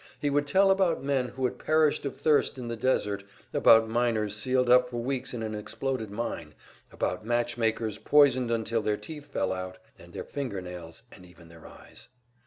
He would tell about men who had perished of thirst in the desert, about miners sealed up for weeks in an exploded mine, about matchmakers poisoned until their teeth fell out, and their finger nails and even their eyes.